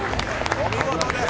お見事です！